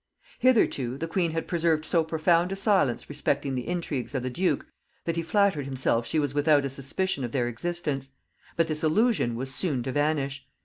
] Hitherto the queen had preserved so profound a silence respecting the intrigues of the duke, that he flattered himself she was without a suspicion of their existence; but this illusion was soon to vanish.